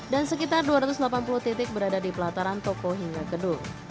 dan sekitar dua ratus delapan puluh titik berada di pelataran toko hingga gedung